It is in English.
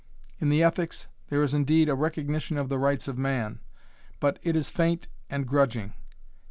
In the Ethics there is indeed a recognition of the rights of man, but it is faint and grudging.